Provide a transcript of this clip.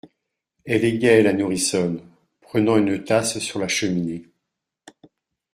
Elle est gaie, la nourrissonne Prenant une tasse sur la cheminée.